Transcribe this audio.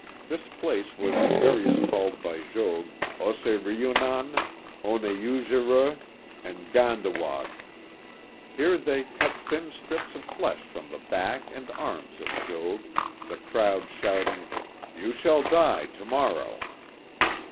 This place was variously called by Jogues, Os se ru e non, On e ou gou re, and Gan da wa gue. Here they cut thin strips of flesh from the back and arms of Jogues, the crowd shouting, You shall die to morrow."